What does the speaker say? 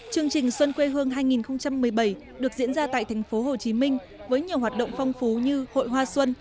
chương trình xuân quê hương năm hai nghìn một mươi bảy được diễn ra tại thành phố hồ chí minh với nhiều hoạt động phong phú như hội hoa xuân